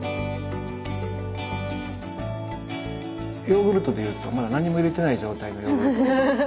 ヨーグルトでいうとまだ何も入れてない状態のヨーグルト。